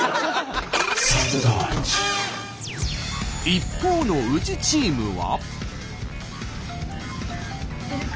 一方の宇治チームは。